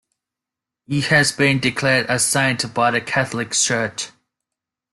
He has been declared a saint by the Catholic Church.